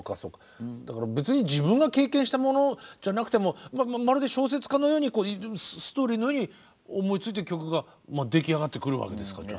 だから別に自分が経験したものじゃなくてもまるで小説家のようにストーリーのように思いついて曲が出来上がってくるわけですからね。